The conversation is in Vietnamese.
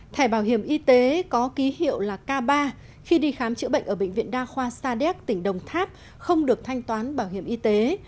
thẻ bảo hiểm y tế có ký hiệu là k ba khi đi khám chữa bệnh ở bệnh viện đa khoa sa đéc tỉnh đồng tháp không được thanh toán bảo hiểm y tế